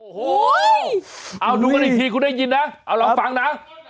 โอ้โหเอาดูกันอีกทีคุณได้ยินนะเอาลองฟังนะ